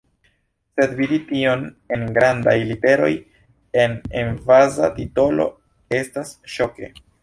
Sed vidi tion en grandaj literoj, en emfaza titolo estas ŝoke.